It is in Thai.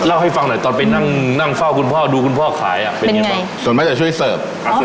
เล่าให้ฟังหน่อยตอนไปนั่งนั่งเฝ้าคุณพ่อดูคุณพ่อขายอ่ะเป็นยังไงบ้างส่วนมากจะช่วยเสิร์ฟ